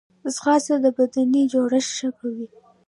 ځغاسته د بدني جوړښت ښه کوي